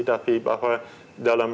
tapi bahwa dalam